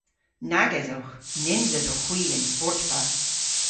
Nag esowgh. Nyns esowgh hwi y'n sportva.